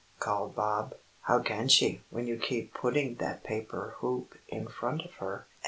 called Bob. "How can she, when you keep putting that paper hoop in front of her?"